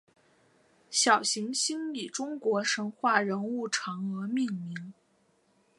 小行星以中国神话人物嫦娥命名。